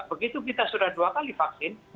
begitu kita sudah dua kali vaksin